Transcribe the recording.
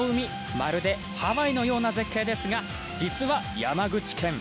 まるでハワイのような絶景ですが実は山口県。